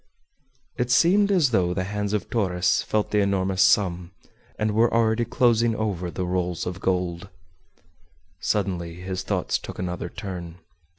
It seemed as though the hands of Torres felt the enormous sum, and were already closing over the rolls of gold. Suddenly his thoughts took another turn.